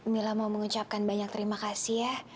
mila mau mengucapkan banyak terima kasih ya